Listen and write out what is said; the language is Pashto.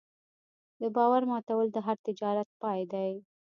د باور ماتول د هر تجارت پای دی.